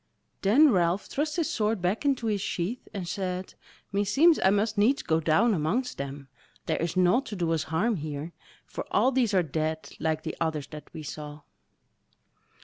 Then Ralph thrust his sword back into his sheath and said: "Meseems I must needs go down amongst them; there is naught to do us harm here; for all these are dead like the others that we saw."